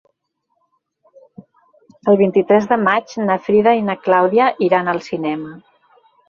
El vint-i-tres de maig na Frida i na Clàudia iran al cinema.